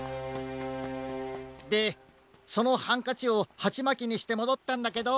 でそのハンカチをハチマキにしてもどったんだけど。